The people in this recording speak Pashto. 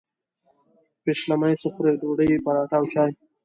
پیشلمۍ څه خورئ؟ ډوډۍ، پراټه او چاي